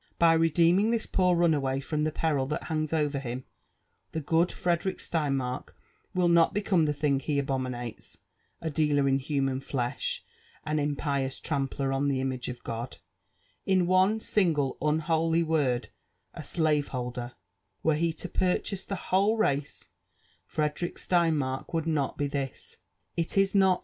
. By redeeming ibis poor runaway from the peril that hangs over him, the good Frederick Steinmark wHl not become the thing he abominates — ^a dealer in human flesh, an impious trampter on the image of God — in one single unholy word, a slave holder : were he to purchase the whole race, Frederick Steinmark would not be this. It is not.